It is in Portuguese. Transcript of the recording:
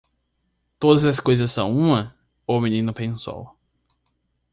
Todas as coisas são uma? o menino pensou.